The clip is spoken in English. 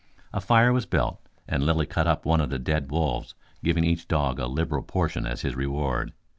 A fire was built, and Lilly cut up one of the dead wolves, giving each dog a liberal portion as his reward.